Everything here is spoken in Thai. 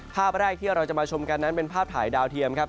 ภาพแรกที่เราจะมาชมกันนั้นเป็นภาพถ่ายดาวเทียมครับ